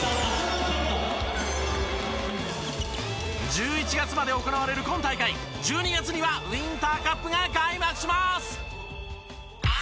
１１月まで行われる今大会１２月にはウインターカップが開幕します。